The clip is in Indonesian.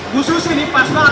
bu susi nih pas banget